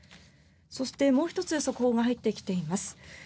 そして、もう１つ速報が入ってきています。